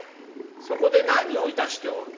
そこで何をいたしておる？」。